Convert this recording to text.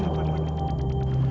sayang aku datang untuk menjemputmu